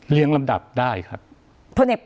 เรียงลำดับได้ครับ